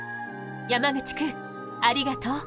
山口くんありがとう。